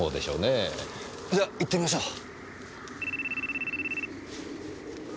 じゃ行ってみましょう。